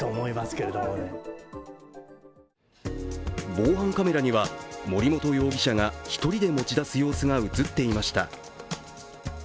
防犯カメラには森本容疑者が１人で持ち出す様子が映っていました。